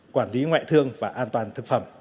quản lý ngoại thương và an toàn thực phẩm